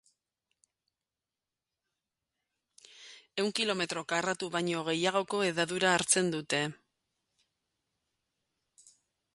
Ehun kilometro karratu baino gehiagoko hedadura hartzen dute.